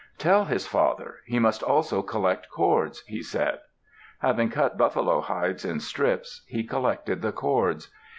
"Tell his father. He must also collect cords," he said. Having cut buffalo hides in strips, he collected the cords.